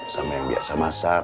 sama yang biasa masak